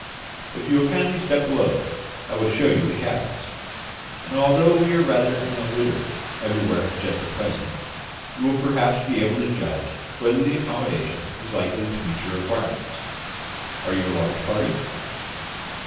"If you will kindly step below, I will show you the cabins; and although we are rather in a litter everywhere just at present, you will perhaps be able to judge whether the accommodation is likely to meet your requirements. Are you a large party?"